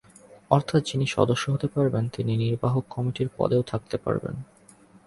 অর্থাৎ যিনি সদস্য হতে পারবেন, তিনি নির্বাহী কমিটির পদেও থাকতে পারবেন।